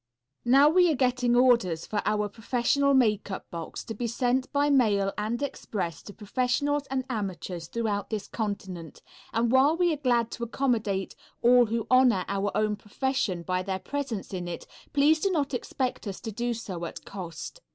Now we are getting orders for our professional makeup box to be sent by mail and express to professionals and amateurs throughout this continent, and while we are glad to accommodate all who honor our own profession by their presence in it, please do not expect us to do so at cost.